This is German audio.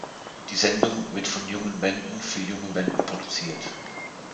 Die Sendung wird von jungen Wenden für junge Wenden produziert.